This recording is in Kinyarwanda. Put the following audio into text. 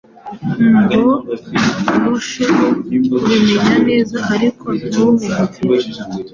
ngo barusheho kubimenya neza. Ariko ntubumvire,